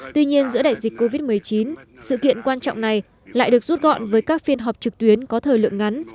tuy nhiên giữa đại dịch covid một mươi chín sự kiện quan trọng này lại được rút gọn với các phiên họp trực tuyến có thời lượng ngắn